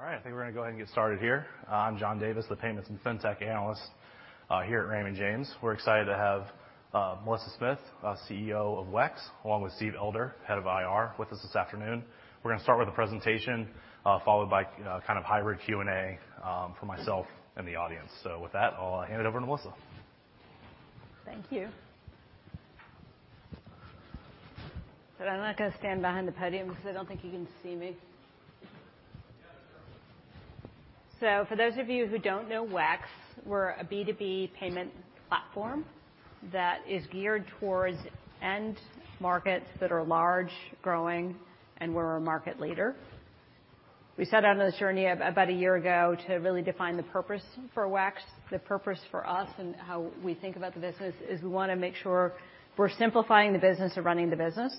All right, I think we're gonna go ahead and get started here. I'm John Davis, the Payments and Fintech Analyst here at Raymond James. We're excited to have Melissa Smith, CEO of WEX, along with Steve Elder, Head of IR, with us this afternoon. We're gonna start with a presentation, followed by kind of hybrid Q&A for myself and the audience. With that, I'll hand it over to Melissa. Thank you. I'm not gonna stand behind the podium because I don't think you can see me. For those of you who don't know WEX, we're a B2B payment platform that is geared towards end markets that are large, growing, and we're a market leader. We set out on this journey about a year ago to really define the purpose for WEX. The purpose for us and how we think about the business is we wanna make sure we're simplifying the business of running the business.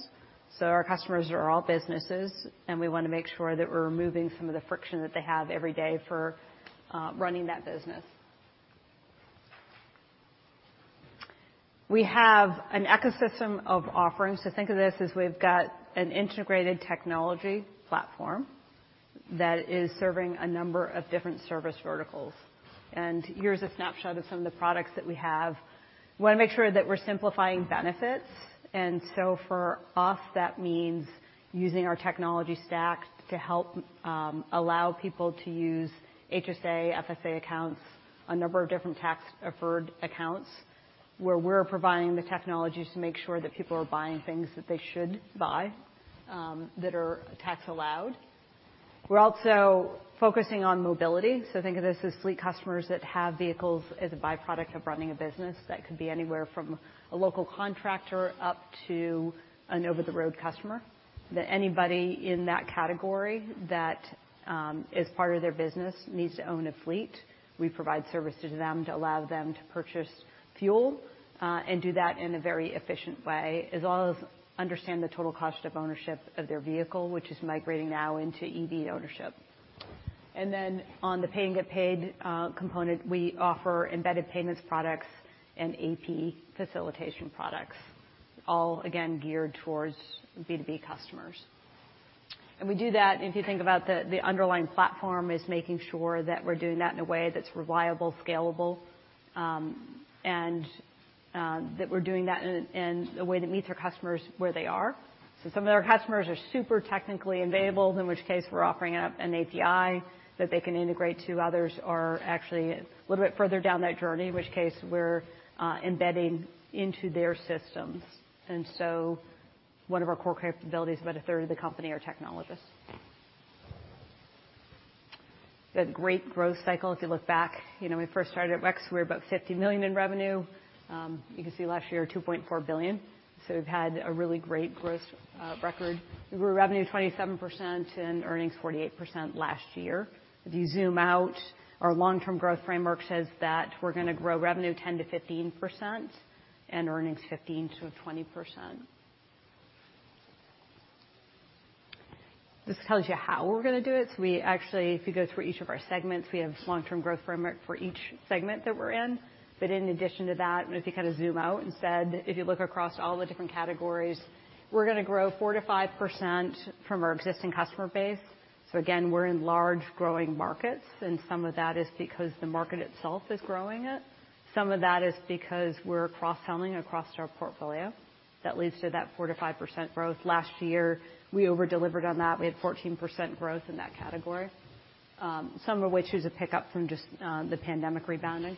Our customers are all businesses, and we wanna make sure that we're removing some of the friction that they have every day for running that business. We have an ecosystem of offerings. Think of this as we've got an integrated technology platform that is serving a number of different service verticals. Here's a snapshot of some of the products that we have. We wanna make sure that we're simplifying benefits. For us, that means using our technology stacks to help allow people to use HSA, FSA accounts, a number of different tax-deferred accounts, where we're providing the technologies to make sure that people are buying things that they should buy, that are tax allowed. We're also focusing on mobility. Think of this as fleet customers that have vehicles as a byproduct of running a business that could be anywhere from a local contractor up to an over-the-road customer. Anybody in that category that as part of their business needs to own a fleet. We provide services to them to allow them to purchase fuel and do that in a very efficient way, as well as understand the total cost of ownership of their vehicle, which is migrating now into EV ownership. On the pay-and-get-paid component, we offer embedded payments products and AP facilitation products, all again geared towards B2B customers. We do that, if you think about the underlying platform is making sure that we're doing that in a way that's reliable, scalable, and that we're doing that in a way that meets our customers where they are. So some of our customers are super technically available, in which case we're offering up an API that they can integrate to others are actually a little bit further down that journey, in which case we're embedding into their systems. One of our core capabilities about a third of the company are technologists. The great growth cycle, if you look back, you know, we first started at WEX, we were about $50 million in revenue. You can see last year, $2.4 billion. We've had a really great growth record. We grew revenue 27% and earnings 48% last year. If you zoom out, our long-term growth framework says that we're gonna grow revenue 10%-15% and earnings 15%-20%. This tells you how we're gonna do it. We actually, if you go through each of our segments, we have this long-term growth framework for each segment that we're in. In addition to that, if you kind of zoom out instead, if you look across all the different categories, we're gonna grow 4%-5% from our existing customer base. Again, we're in large growing markets, and some of that is because the market itself is growing it. Some of that is because we're cross-selling across our portfolio. That leads to that 4%-5% growth. Last year, we over-delivered on that. We had 14% growth in that category. Some of which was a pickup from just the pandemic rebounding.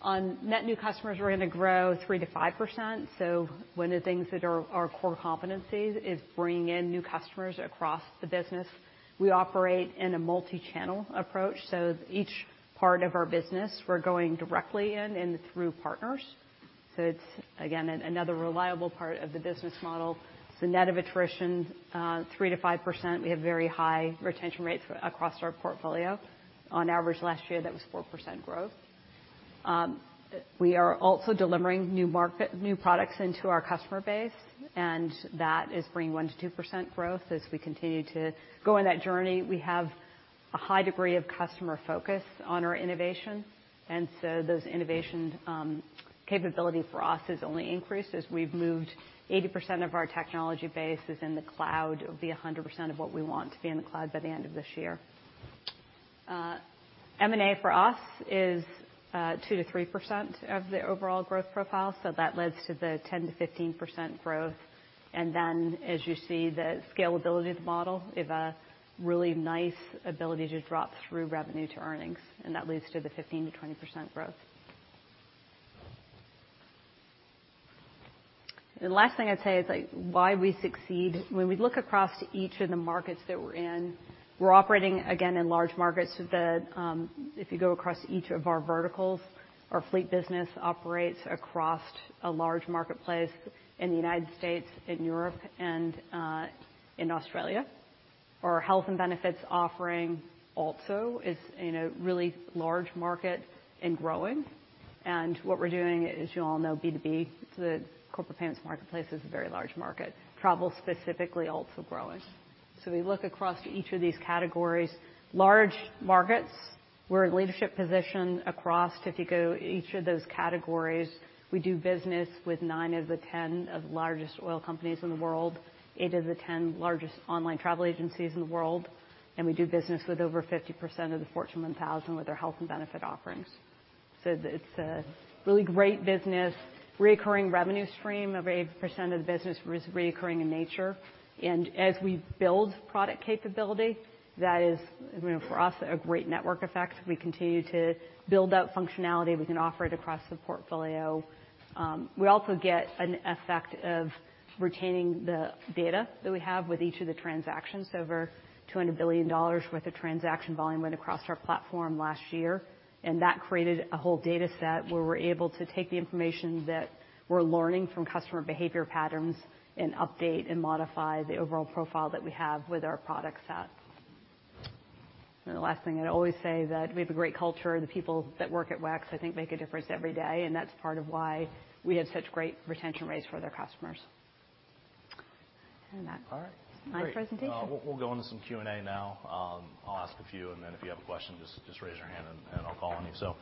On net new customers, we're gonna grow 3%-5%. One of the things that are our core competencies is bringing in new customers across the business. We operate in a multi-channel approach, so each part of our business, we're going directly in and through partners. It's, again, another reliable part of the business model. The net of attrition, 3%-5%, we have very high retention rates across our portfolio. On average, last year, that was 4% growth. We are also delivering new products into our customer base, and that is bringing 1%-2% growth. As we continue to go on that journey, we have a high degree of customer focus on our innovation. Those innovation capability for us has only increased as we've moved 80% of our technology base is in the cloud. It will be 100% of what we want to be in the cloud by the end of this year. M&A for us is 2%-3% of the overall growth profile, so that leads to the 10%-15% growth. As you see the scalability of the model, we have a really nice ability to drop through revenue to earnings, and that leads to the 15%-20% growth. The last thing I'd say is, like, why we succeed. When we look across each of the markets that we're in, we're operating again in large markets. The, if you go across each of our verticals, our Fleet business operates across a large marketplace in the United States, in Europe, and in Australia. Our Health and Benefits offering also is in a really large market and growing. What we're doing is you all know B2B, the Corporate Payments marketplace is a very large market. Travel specifically also growing. We look across each of these categories-Large markets, we're in leadership position across if you go each of those categories. We do business with nine of the 10 of the largest oil companies in the world, eight of the 10 largest online travel agencies in the world, and we do business with over 50% of the Fortune 1000 with our Health and Benefit offerings. It's a really great business, reoccurring revenue stream. Over 80% of the business is reoccurring in nature. As we build product capability, that is, you know, for us, a great network effect. We continue to build out functionality, we can offer it across the portfolio. We also get an effect of retaining the data that we have with each of the transactions. Over $200 billion worth of transaction volume went across our platform last year, and that created a whole data set where we're able to take the information that we're learning from customer behavior patterns and update and modify the overall profile that we have with our product set. The last thing, I'd always say that we have a great culture. The people that work at WEX, I think, make a difference every day, and that's part of why we have such great retention rates for their customers. All right. Great. My presentation. We'll go into some Q&A now. I'll ask a few, and then if you have a question, just raise your hand and I'll call on you.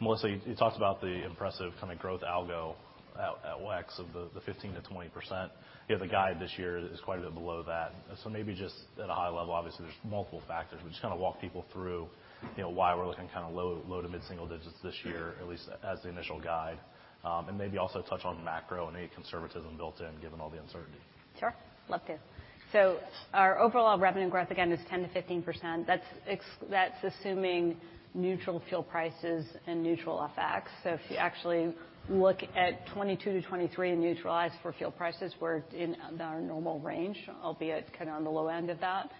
Melissa, you talked about the impressive kinda growth algo at WEX of 15%-20%. You have the guide this year that is quite a bit below that. Maybe just at a high level, obviously there's multiple factors, but just kinda walk people through, you know, why we're looking kinda low-to-mid-single digits this year, at least as the initial guide. Maybe also touch on macro and any conservatism built in given all the uncertainty. Sure. Love to. Our overall revenue growth again is 10%-15%. That's assuming neutral fuel prices and neutral FX. If you actually look at 2022 to 2023 and neutralize for fuel prices, we're in our normal range, albeit kind of on the low end of that.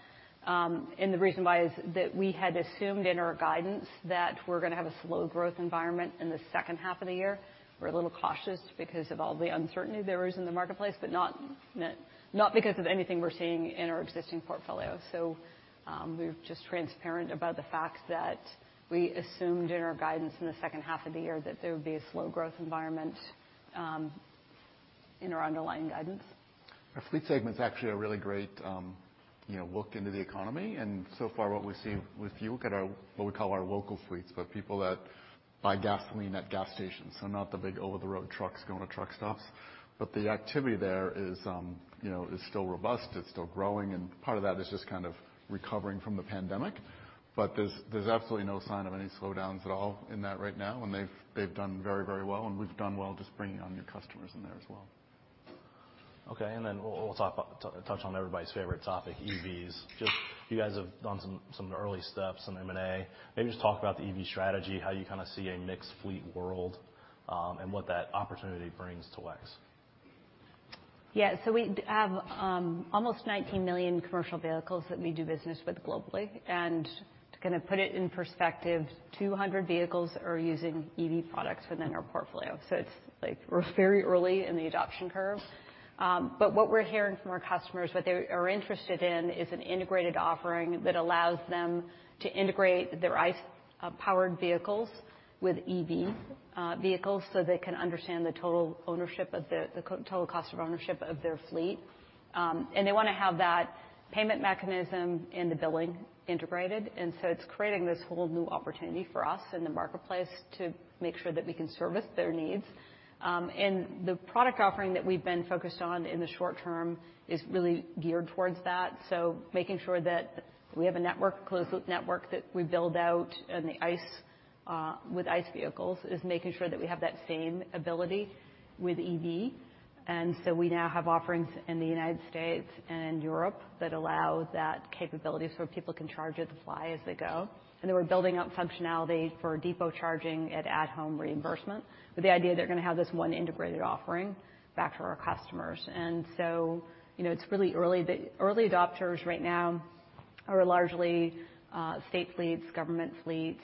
The reason why is that we had assumed in our guidance that we're gonna have a slow growth environment in the second half of the year. We're a little cautious because of all the uncertainty there is in the marketplace, but not because of anything we're seeing in our existing portfolio. We're just transparent about the fact that we assumed in our guidance in the second half of the year that there would be a slow growth environment in our underlying guidance. Our Fleet segment's actually a really great, you know, look into the economy. So far what we've seen with fuel, look at our, what we call our local fleets, but people that buy gasoline at gas stations, so not the big over-the-road trucks going to truck stops. The activity there is, you know, is still robust. It's still growing, and part of that is just kind of recovering from the pandemic. There's absolutely no sign of any slowdowns at all in that right now, and they've done very, very well, and we've done well just bringing on new customers in there as well. Then we'll touch on everybody's favorite topic, EVs. Just you guys have done some early steps in M&A. Maybe just talk about the EV strategy, how you kinda see a mixed fleet world, what that opportunity brings to WEX. We have almost 19 million commercial vehicles that we do business with globally, and to kinda put it in perspective, 200 vehicles are using EV products within our portfolio. It's like we're very early in the adoption curve. What we're hearing from our customers, what they are interested in is an integrated offering that allows them to integrate their ICE-powered vehicles with EV vehicles, so they can understand the total cost of ownership of their fleet. They wanna have that payment mechanism and the billing integrated. It's creating this whole new opportunity for us in the marketplace to make sure that we can service their needs. The product offering that we've been focused on in the short term is really geared towards that. Making sure that we have a network, closed-loop network that we build out in the ICE, with ICE vehicles, is making sure that we have that same ability with EV. We now have offerings in the United States and Europe that allow that capability, so people can charge it and fly as they go. We're building out functionality for depot charging at home reimbursement with the idea they're gonna have this one integrated offering back to our customers. You know, it's really early. The early adopters right now are largely, state fleets, government fleets,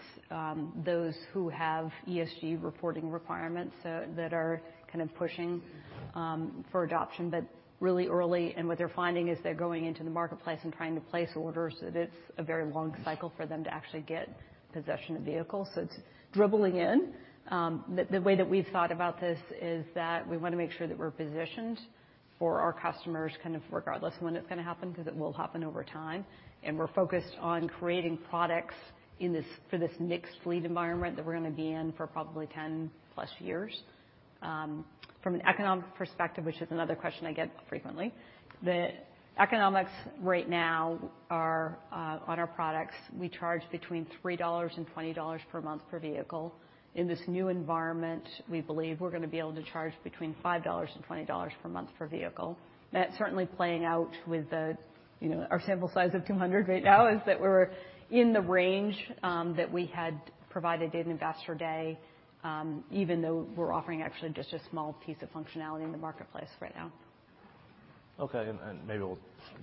those who have ESG reporting requirements, that are kind of pushing for adoption, but really early. What they're finding is they're going into the marketplace and trying to place orders, and it's a very long cycle for them to actually get possession of vehicles. It's dribbling in. The way that we've thought about this is that we wanna make sure that we're positioned for our customers kind of regardless of when it's gonna happen, 'cause it will happen over time. We're focused on creating products for this mixed fleet environment that we're gonna be in for probably 10+ years. From an economic perspective, which is another question I get frequently, the economics right now are on our products. We charge between $3 and $20 per month per vehicle. In this new environment, we believe we're gonna be able to charge between $5 and $20 per month per vehicle. That's certainly playing out with the, you know, our sample size of 200 right now is that we're in the range that we had provided at Investor Day, even though we're offering actually just a small piece of functionality in the marketplace right now. Okay. Maybe we'll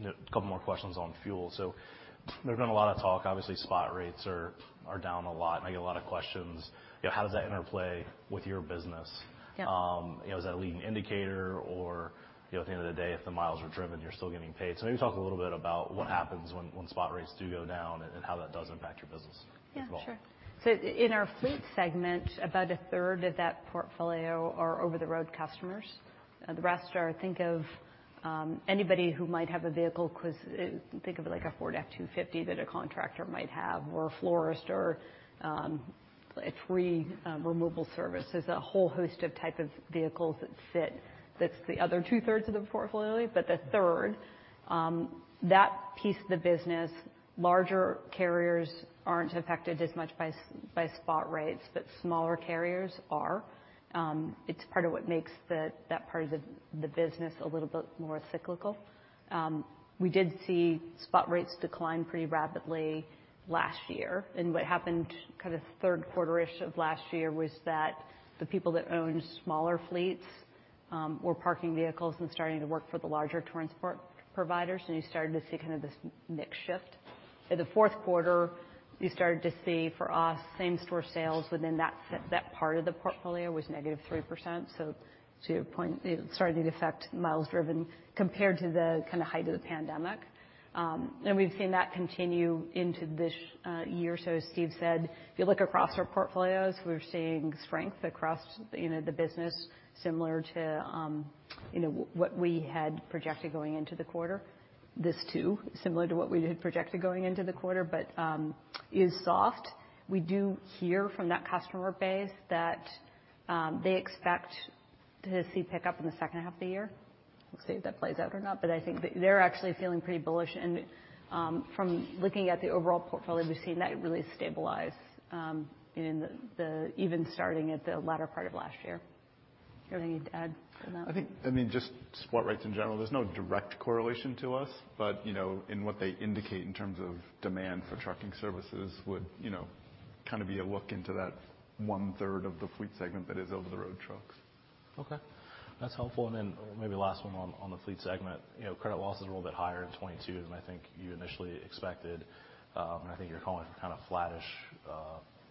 a couple more questions on fuel. There's been a lot of talk. Obviously, spot rates are down a lot, and I get a lot of questions. You know, how does that interplay with your business? You know, is that a leading indicator or, you know, at the end of the day, if the miles are driven, you're still getting paid. Maybe talk a little bit about what happens when spot rates do go down and how that does impact your business as well. Yeah, sure. In our Fleet segment, about a 1/3 of that portfolio are over-the-road customers. The rest are, think of, anybody who might have a vehicle, 'cause, think of it like a Ford F-250 that a contractor might have, or a florist or, a tree removal service. There's a whole host of type of vehicles that fit. That's the other 2/3 of the portfolio. The 1/3, that piece of the business, larger carriers aren't affected as much by spot rates, but smaller carriers are. It's part of what makes the, that part of the business a little bit more cyclical. We did see spot rates decline pretty rapidly last year. What happened kind of third quarter-ish of last year was that the people that owned smaller fleets, were parking vehicles and starting to work for the larger transport providers, and you started to see kind of this mix shift. In the fourth quarter, you started to see, for us, same-store sales within that part of the portfolio was -3%. To your point, it started to affect miles driven compared to the kinda height of the pandemic. We've seen that continue into this year. As Steve said, if you look across our portfolios, we're seeing strength across, you know, the business similar to, you know, what we had projected going into the quarter. This too, similar to what we had projected going into the quarter, but is soft. We do hear from that customer base that, they expect to see pickup in the second half of the year. We'll see if that plays out or not, but I think they're actually feeling pretty bullish. From looking at the overall portfolio, we've seen that really stabilize even starting at the latter part of last year. You have anything to add to that? I think, I mean, just spot rates in general, there's no direct correlation to us, but, you know, in what they indicate in terms of demand for trucking services would, you know, kind of be a look into that one-third of the Fleet segment that is over-the-road trucks. Okay. That's helpful. Maybe last one on the Fleet segment. You know, credit losses were a little bit higher in 2022 than I think you initially expected. I think you're calling for kinda flattish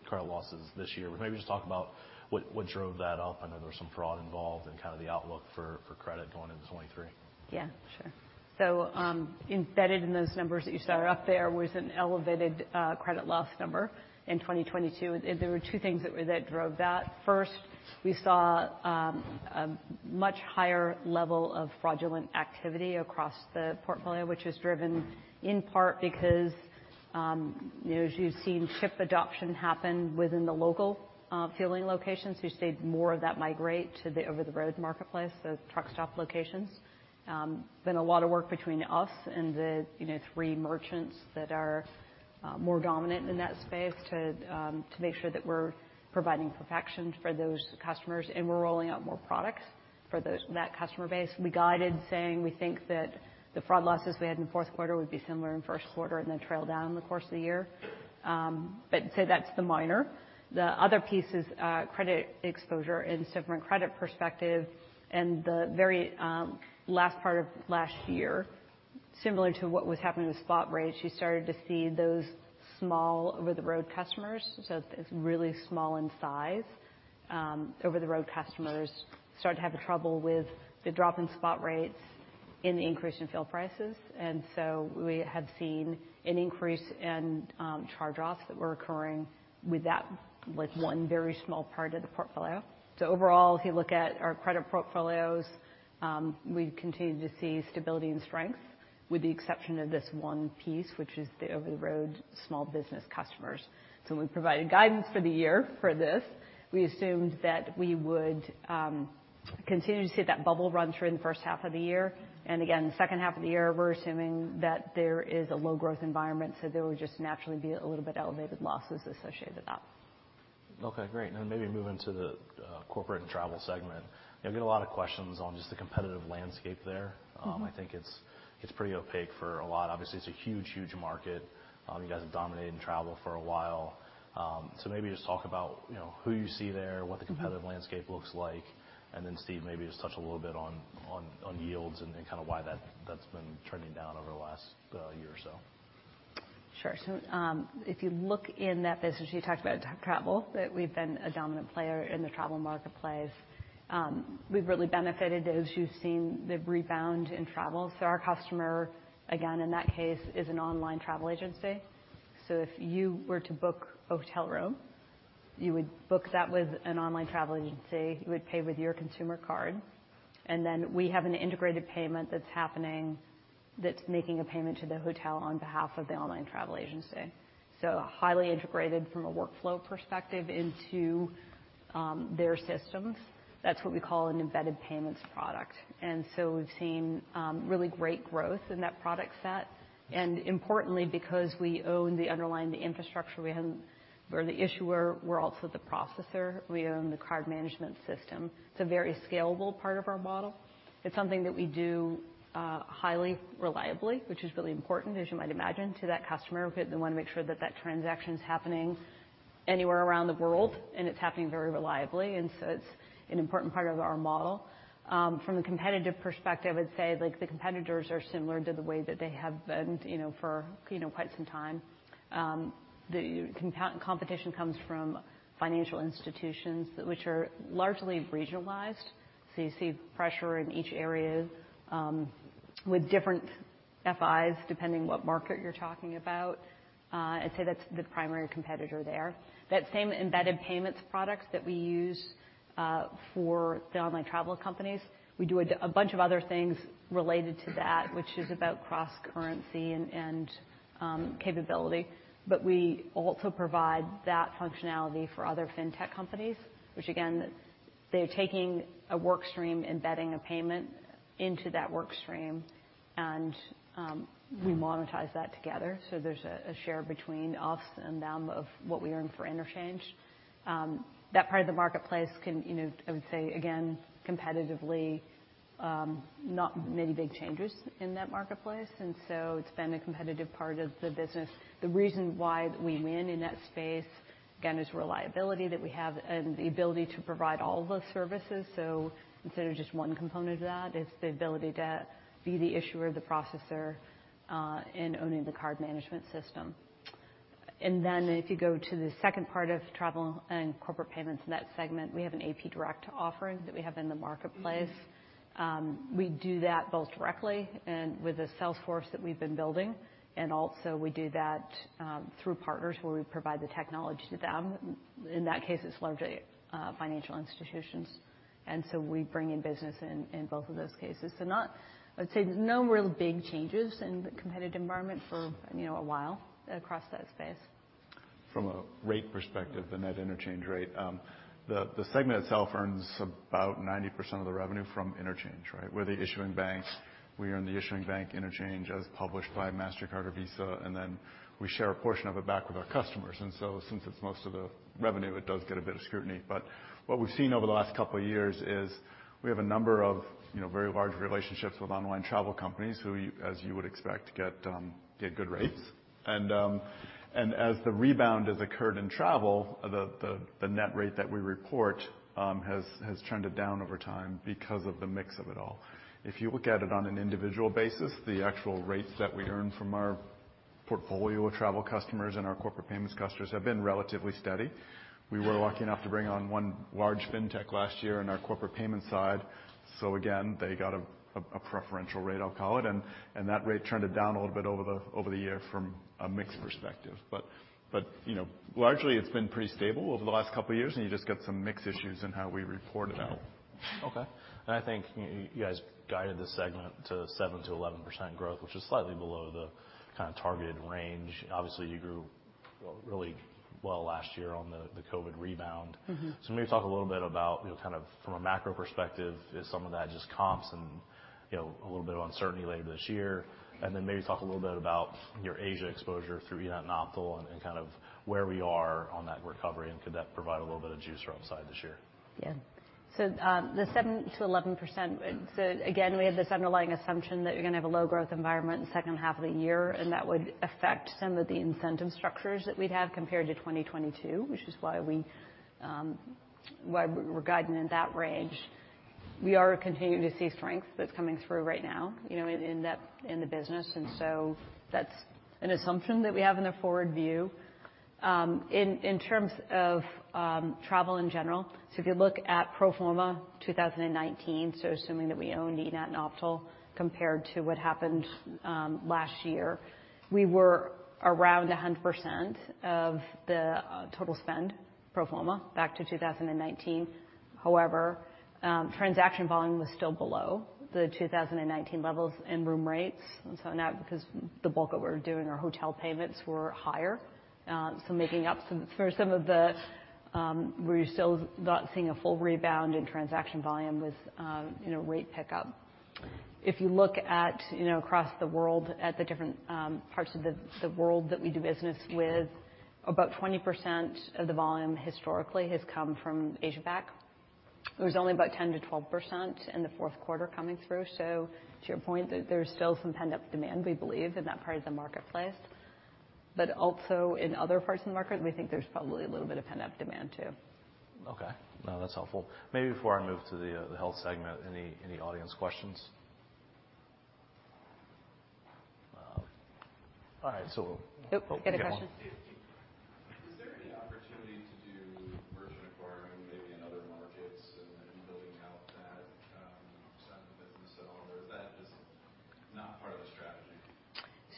credit losses this year. Maybe just talk about what drove that up. I know there was some fraud involved and kinda the outlook for credit going into 2023. Sure. Embedded in those numbers that you saw up there was an elevated credit loss number in 2022. There were two things that drove that. First, we saw a much higher level of fraudulent activity across the portfolio, which was driven in part because, you know, as you've seen chip adoption happen within the local fueling locations, you've seen more of that migrate to the over-the-road marketplace, the truck stop locations. Been a lot of work between us and the, you know, three merchants that are more dominant in that space to make sure that we're providing protection for those customers, and we're rolling out more products for those, that customer base. We guided saying we think that the fraud losses we had in the fourth quarter would be similar in first quarter and then trail down in the course of the year. I'd say that's the minor. The other piece is credit exposure and different credit perspective. In the very last part of last year, similar to what was happening with spot rates, you started to see those small over-the-road customers. It's really small in size, over-the-road customers started to have trouble with the drop in spot rates and the increase in fuel prices. We had seen an increase in charge-offs that were occurring with that, like one very small part of the portfolio. Overall, if you look at our credit portfolios, we continue to see stability and strength, with the exception of this one piece, which is the over-the-road small business customers. When we provided guidance for the year for this, we assumed that we would continue to see that bubble run through in the first half of the year. Again, the second half of the year, we're assuming that there is a low growth environment, so there would just naturally be a little bit of elevated losses associated with that. Okay, great. Then maybe moving to the Corporate and Travel segment. You know, I get a lot of questions on just the competitive landscape there. I think it's pretty opaque for a lot. Obviously, it's a huge market. You guys have dominated in travel for a while. Maybe just talk about, you know, who you see there, what the competitive landscape looks like. Steve, maybe just touch a little bit on yields and then why that's been trending down over the last year or so. Sure. If you look in that business, you talked about Travel, that we've been a dominant player in the travel marketplace. We've really benefited as you've seen the rebound in Travel. Our customer, again, in that case, is an online travel agency. If you were to book a hotel room, you would book that with an online travel agency, you would pay with your consumer card, and then we have an integrated payment that's happening that's making a payment to the hotel on behalf of the online travel agency. Highly integrated from a workflow perspective into their systems. That's what we call an embedded payments product. We've seen really great growth in that product set. Importantly, because we own the underlying, the infrastructure. We're the issuer, we're also the processor. We own the card management system. It's a very scalable part of our model. It's something that we do, highly reliably, which is really important, as you might imagine, to that customer. They wanna make sure that that transaction's happening anywhere around the world, and it's happening very reliably, and so it's an important part of our model. From a competitive perspective, I'd say, like the competitors are similar to the way that they have been, you know, for, you know, quite some time. The competition comes from financial institutions which are largely regionalized. You see pressure in each area, with different FIs, depending what market you're talking about. I'd say that's the primary competitor there. That same embedded payments products that we use, for the online travel companies, we do a bunch of other things related to that, which is about cross-currency and capability. We also provide that functionality for other fintech companies, which again, they're taking a work stream, embedding a payment into that work stream and, we monetize that together. There's a share between us and them of what we earn for interchange. That part of the marketplace can, you know, I would say again, competitively, not many big changes in that marketplace. It's been a competitive part of the business. The reason why we win in that space, again, is reliability that we have and the ability to provide all the services. Instead of just one component of that, it's the ability to be the issuer, the processor, and owning the card management system. If you go to the second part of Travel and Corporate Payments in that segment, we have an direct AP offering that we have in the marketplace. We do that both directly and with a sales force that we've been building. We do that through partners where we provide the technology to them. In that case, it's largely financial institutions. We bring in business in both of those cases. I would say no real big changes in the competitive environment for, you know, a while across that space. From a rate perspective, the net interchange rate, the segment itself earns about 90% of the revenue from interchange, right? We're the issuing banks. We earn the issuing bank interchange as published by Mastercard or Visa, we share a portion of it back with our customers. Since it's most of the revenue, it does get a bit of scrutiny. What we've seen over the last couple of years is we have a number of, you know, very large relationships with online travel companies who as you would expect, get good rates. As the rebound has occurred in Travel, the net rate that we report has trended down over time because of the mix of it all. If you look at it on an individual basis, the actual rates that we earn from our portfolio of Travel customers and our Corporate Payments customers have been relatively steady. We were lucky enough to bring on one large fintech last year in our Corporate Payment side. Again, they got a preferential rate, I'll call it, and that rate trended down a little bit over the over the year from a mix perspective. You know, largely it's been pretty stable over the last couple of years, and you just get some mix issues in how we report it out. Okay. I think you guys guided the segment to 7%-11% growth, which is slightly below the kinda targeted range. Obviously, you grew really well last year on the COVID rebound. Maybe talk a little bit about, you know, kind of from a macro perspective, is some of that just comps and, you know, a little bit of uncertainty later this year? Then maybe talk a little bit about your Asia exposure through eNett and Optal and kind of where we are on that recovery, and could that provide a little bit of juice or upside this year? The 7%-11%. Again, we have this underlying assumption that you're going to have a low growth environment in the second half of the year, and that would affect some of the incentive structures that we'd have compared to 2022, which is why we're guiding in that range. We are continuing to see strength that's coming through right now, you know, in that, in the business. That's an assumption that we have in a forward view. In terms of Travel in general. If you look at pro forma 2019, so assuming that we own eNett and Optal, compared to what happened last year, we were around 100% of the total spend pro forma back to 2019. Transaction volume was still below the 2019 levels in room rates. Now because the bulk of what we're doing, our hotel payments were higher. Making up some, for some of the, we're still not seeing a full rebound in transaction volume with, you know, rate pickup. If you look at, you know, across the world at the different parts of the world that we do business with, about 20% of the volume historically has come from Asia-Pac. It was only about 10%-12% in the fourth quarter coming through. To your point, there's still some pent-up demand, we believe, in that part of the marketplace. Also in other parts of the market, we think there's probably a little bit of pent-up demand too. No, that's helpful. Maybe before I move to the Health segment, any audience questions? Oh, got a question. Is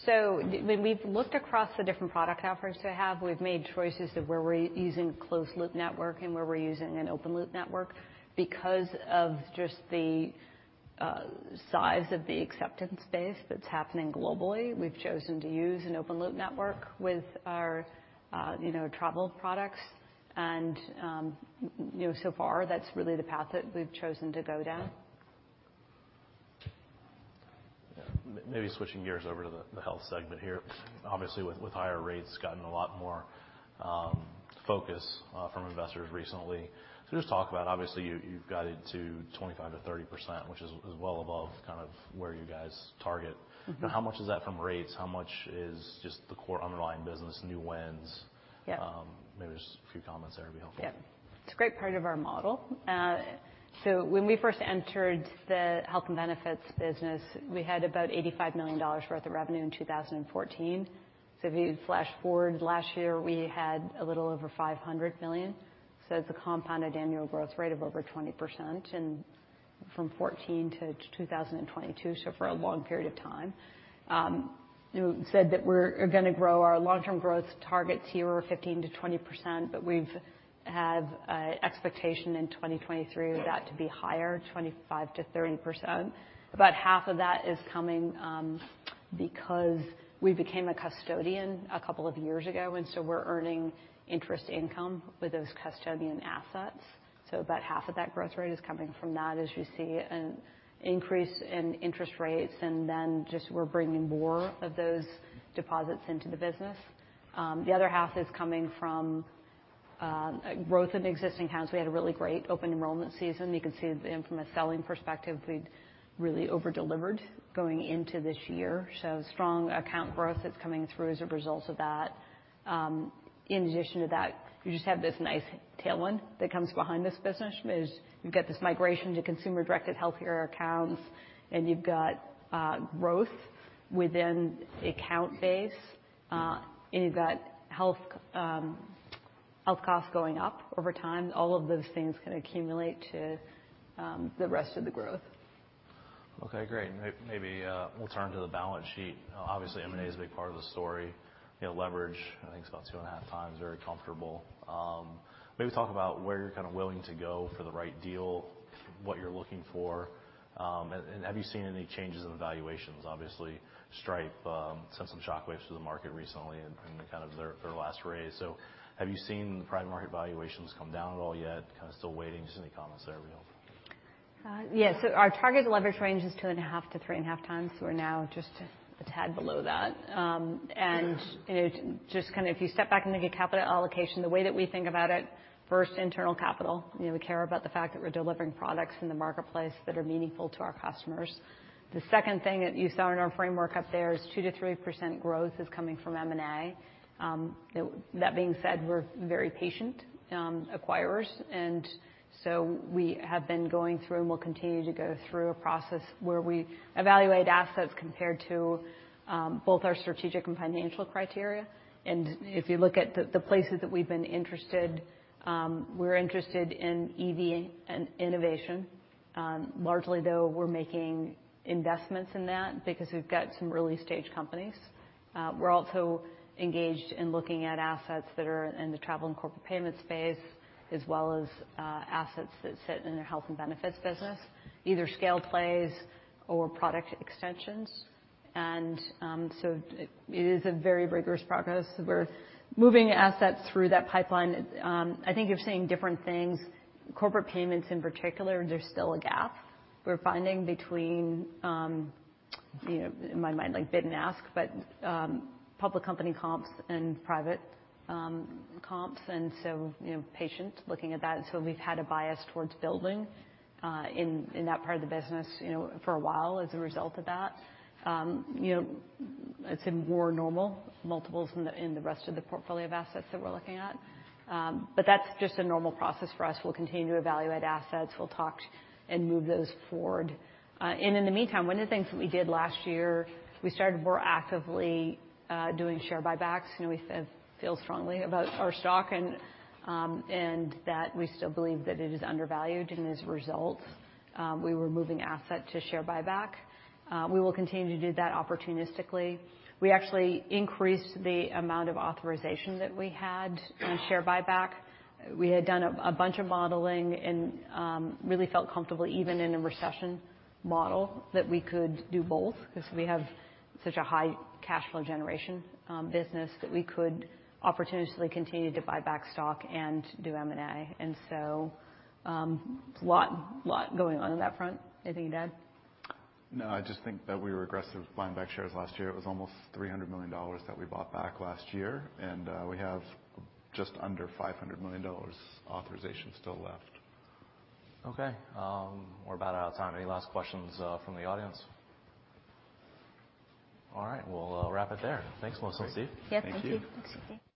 there any opportunity to do merchant acquiring maybe in other markets and then building out that side of the business at all, or is that just not part of the strategy? When we've looked across the different product offerings to have, we've made choices of where we're using closed-loop network and where we're using an open-loop network. Because of just the size of the acceptance base that's happening globally, we've chosen to use an open-loop network with our, you know, Travel products. You know, so far, that's really the path that we've chosen to go down. Maybe switching gears over to the Health segment here. Obviously, with higher rates, it's gotten a lot more focus from investors recently. Just talk about obviously, you've guided to 25%-30%, which is well above kind of where you guys target. How much is that from rates? How much is just the core underlying business, new wins? Maybe just a few comments there would be helpful. It's a great part of our model. When we first entered the Health and Benefits business, we had about $85 million worth of revenue in 2014. If you flash forward, last year, we had a little over $500 million. It's a compounded annual growth rate of over 20% and from 2014 to 2022, for a long period of time. You said that we're gonna grow. Our long-term growth targets here are 15%-20%, but we've had expectation in 2023 for that to be higher, 25%-30%. About half of that is coming because we became a custodian a couple of years ago, and so we're earning interest income with those custodian assets. About half of that growth rate is coming from that as you see an increase in interest rates, and then just we're bringing more of those deposits into the business. The other half is coming from growth in existing accounts. We had a really great open enrollment season. You can see then from a selling perspective, we'd really over-delivered going into this year. Strong account growth that's coming through as a result of that. In addition to that, you just have this nice tailwind that comes behind this business, is you've got this migration to consumer-directed healthcare accounts, and you've got growth within account base. You've got health costs going up over time. All of those things can accumulate to the rest of the growth. Okay, great. Maybe we'll turn to the balance sheet. Obviously, M&A is a big part of the story. You know, leverage, I think it's about 2.5x, very comfortable. Maybe talk about where you're kinda willing to go for the right deal, what you're looking for, and have you seen any changes in valuations? Obviously, Stripe sent some shock waves to the market recently in kind of their last raise. Have you seen the private market valuations come down at all yet? Kinda still waiting. Just any comments there would be helpful. Yes. Our target leverage range is 2.5x-3.5x. We're now just a tad below that. You know, just kind of if you step back and look at capital allocation, the way that we think about it, first internal capital. You know, we care about the fact that we're delivering products in the marketplace that are meaningful to our customers. The second thing that you saw in our framework up there is 2%-3% growth is coming from M&A. That being said, we're very patient acquirers. We have been going through and will continue to go through a process where we evaluate assets compared to both our strategic and financial criteria. If you look at the places that we've been interested, we're interested in EV and innovation. Largely, though, we're making investments in that because we've got some early-stage companies. We're also engaged in looking at assets that are in the travel and Corporate Payment space, as well as assets that sit in the Health and Benefits business, either scale plays or product extensions. It is a very rigorous progress. We're moving assets through that pipeline. I think you're seeing different things. Corporate Payments in particular, there's still a gap we're finding between, you know, in my mind, like bid and ask, but public company comps and private comps, you know, patients looking at that. We've had a bias towards building in that part of the business, you know, for a while as a result of that. You know, it's in more normal multiples in the rest of the portfolio of assets that we're looking at. That's just a normal process for us. We'll continue to evaluate assets. We'll talk and move those forward. In the meantime, one of the things that we did last year, we started more actively doing share buybacks. You know, we feel strongly about our stock and that we still believe that it is undervalued. As a result, we were moving asset to share buyback. We will continue to do that opportunistically. We actually increased the amount of authorization that we had in share buyback. We had done a bunch of modeling and really felt comfortable even in a recession model that we could do both because we have such a high cash flow generation business that we could opportunistically continue to buy back stock and do M&A. Lot going on that front. Anything to add? No, I just think that we were aggressive buying back shares last year. It was almost $300 million that we bought back last year, and we have just under $500 million authorization still left. Okay. We're about out of time. Any last questions, from the audience? All right. We'll, wrap it there. Thanks once again. Thank you. Thank you.